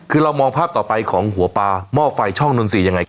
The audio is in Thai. คือเรามองภาพต่อไปของหัวปลาหม้อไฟช่องนนทรีย์ยังไง